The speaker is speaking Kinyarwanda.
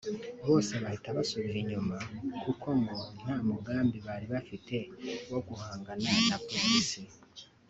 bose bahita basubira inyuma kuko ngo nta mugambi bari bafite wo guhangana na Polisi